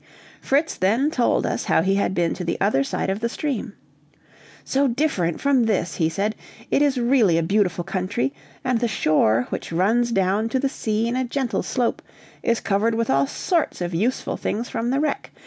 Fritz then told us how he had been to the other side of the stream. "So different from this," he said; "it is really a beautiful country, and the shore, which runs down to the sea in a gentle slope, is covered with all sorts of useful things from the wreck.